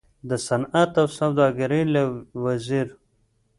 د صنعت او سوداګرۍ له وزیر